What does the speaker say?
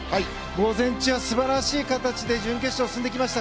午前中は素晴らしい形で準決勝に２人は進んできました。